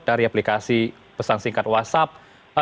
dari aplikasi pesan singkat whatsapp